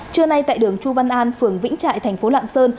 trưa nay tại đường chu văn an phường vĩnh trại thành phố lạng sơn